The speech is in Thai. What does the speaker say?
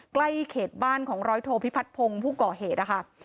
ใกล้เขตบ้านของร้อยโทพิพัฒนพงศ์ผู้ก่อเหตุนะคะ